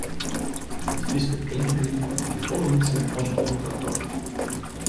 It Fryske keninkryk wie folle lytser as oant no ta tocht.